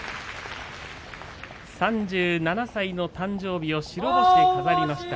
３７歳の誕生日を白星で飾りました。